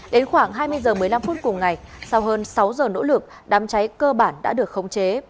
đến khoảng hai mươi h một mươi năm phút cùng ngày sau hơn sáu giờ nỗ lực đám cháy cơ bản đã được khống chế